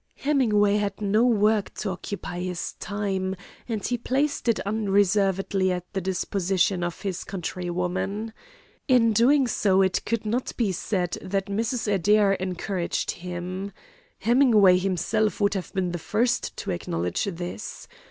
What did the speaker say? Hemingway had no work to occupy his time, and he placed it unreservedly at the disposition of his countrywoman. In doing so it could not be said that Mrs. Adair encouraged him. Hemingway himself would have been the first to acknowledge this.